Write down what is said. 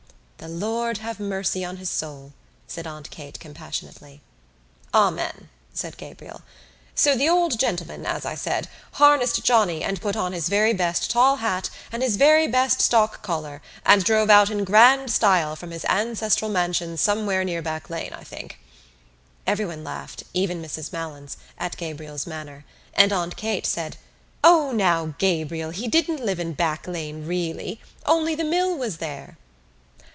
"The Lord have mercy on his soul," said Aunt Kate compassionately. "Amen," said Gabriel. "So the old gentleman, as I said, harnessed Johnny and put on his very best tall hat and his very best stock collar and drove out in grand style from his ancestral mansion somewhere near Back Lane, I think." Everyone laughed, even Mrs Malins, at Gabriel's manner and Aunt Kate said: "O now, Gabriel, he didn't live in Back Lane, really. Only the mill was there."